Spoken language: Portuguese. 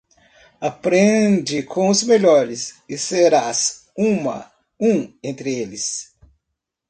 aprende com os melhores e serás uma um entre eles.